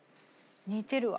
似てるわ。